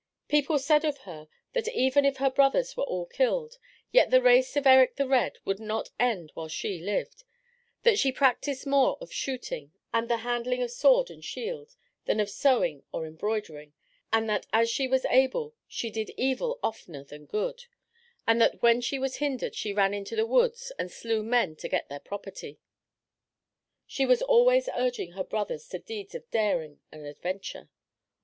People said of her that even if her brothers were all killed, yet the race of Erik the Red would not end while she lived; that "she practised more of shooting and the handling of sword and shield than of sewing or embroidering, and that as she was able, she did evil oftener than good; and that when she was hindered she ran into the woods and slew men to get their property." She was always urging her brothers to deeds of daring and adventure.